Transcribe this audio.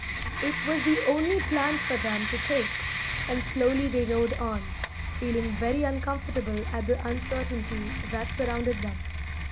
It was the only plan for them to take, and slowly they rode on, feeling very uncomfortable at the uncertainty that surrounded them.